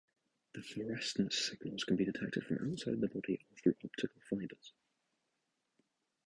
The fluorescence signals can be detected from outside the body or through optical fibres.